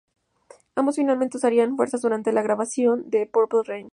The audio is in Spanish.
Ambos finalmente unirían fuerzas durante las grabaciones de "Purple Rain".